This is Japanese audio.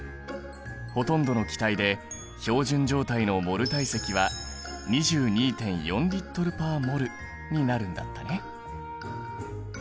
ほとんどの気体で標準状態のモル体積は２２．４Ｌ／ｍｏｌになるんだったね。